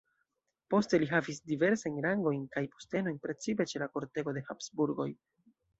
Poste li havis diversajn rangojn kaj postenojn precipe ĉe la kortego de Habsburgoj.